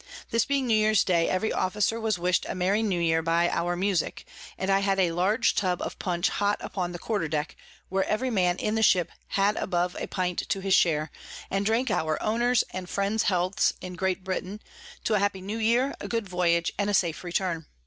This being New Year's Day, every Officer was wish'd a merry New Year by our Musick; and I had a large Tub of Punch hot upon the Quarter Deck, where every Man in the Ship had above a Pint to his share, and drank our Owners and Friends Healths in Great Britain, to a happy new Year, a good Voyage, and a safe Return.